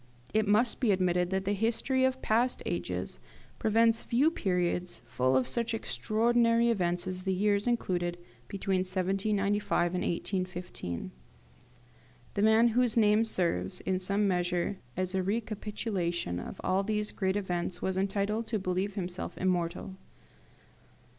It must be admitted that the history of past ages presents few periods full of such extraordinary events as the years included between 1795 and 1815. The man whose name serves, in some measure, as a recapitulation of all these great events was entitled to believe himself immortal.